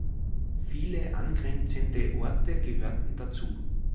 Viele angrenzende Orte gehörten dazu.